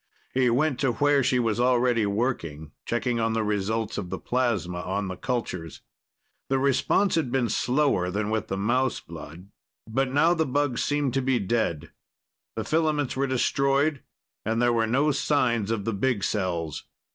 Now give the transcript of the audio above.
He went to where she was already working, checking on the results of the plasma on the cultures. The response had been slower than with the mouse blood, but now the bugs seemed to be dead. The filaments were destroyed, and there were no signs of the big cells.